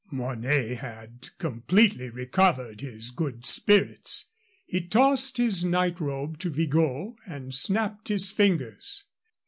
Mornay had completely recovered his good spirits. He tossed his night robe to Vigot and snapped his fingers.